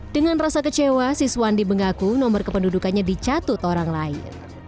dengan rasa kecewa siswandi mengaku nomor kependudukannya dicatut orang lain